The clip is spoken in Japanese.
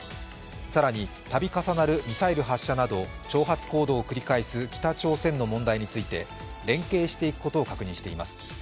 更に、度重なるミサイル発射など挑発行動を繰り返す北朝鮮の問題について連携していくことを確認しています。